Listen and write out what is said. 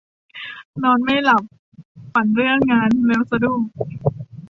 นอนไม่หลับ ฝันเรื่องงานแล้วสะดุ้ง